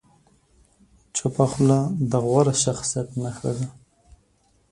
چپه خوله، د غوره شخصیت نښه ده.